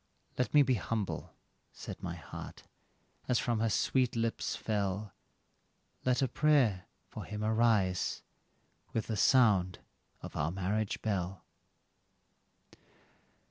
"Let me be humble," said my heart, as from her sweet lips fell, "Let a prayer for him arise, with the sound of our marriage bell."